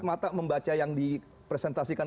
kalau saya tidak membaca yang dipresentasikan